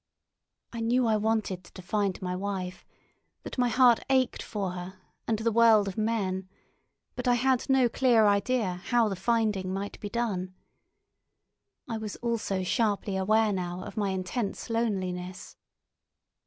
I knew I wanted to find my wife, that my heart ached for her and the world of men, but I had no clear idea how the finding might be done. I was also sharply aware now of my intense loneliness.